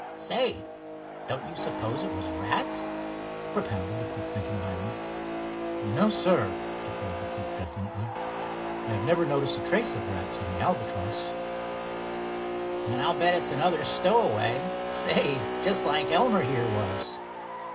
"Say, don't you suppose it was rats?" propounded the quick thinking Hiram. "No, sir!" declared the cook definitely. "I have never noticed a trace of rats in the Albatross." "Then I'll bet it's another stowaway—say, just like Elmer here was."